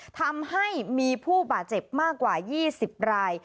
ทำให้มีผู้บาดเจ็บมากกว่า๒๐ราย